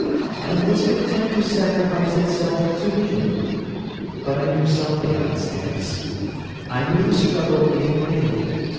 —and was content to sacrifice itself to me. But, I knew something of its depths. I knew the struggle it had made.